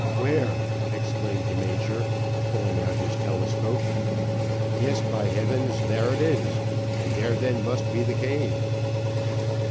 "Where?" exclaimed the major, pulling out his telescope, "Yes, by heavens! there it is and there then must be the cave."